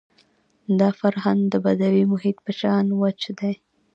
دا فرهنګ د بدوي محیط په شان وچ دی.